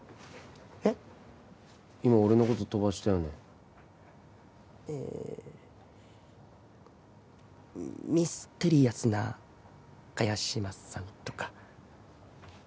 えっ今俺のこと飛ばしたよねええミステリアスな萱島さんとか？